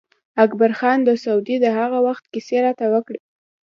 اکبر خان د سعودي د هغه وخت کیسې راته وکړې.